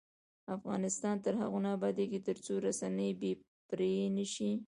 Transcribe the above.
افغانستان تر هغو نه ابادیږي، ترڅو رسنۍ بې پرې نشي.